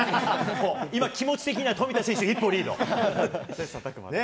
今、気持ち的には富田選手より一歩リード。